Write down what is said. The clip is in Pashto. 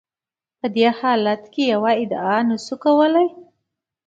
په دې حالت کې یوه ادعا نشو کولای.